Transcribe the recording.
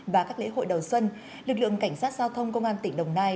và các lễ hội đầu xuân lực lượng cảnh sát giao thông công an tỉnh đồng nai